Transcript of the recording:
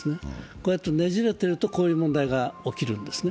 こうやってねじれてるとこういう問題が起きるんですね。